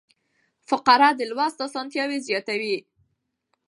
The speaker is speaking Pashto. فقره د لوست اسانتیا زیاتوي.